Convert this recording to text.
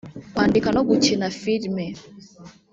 kwandika no gukina filime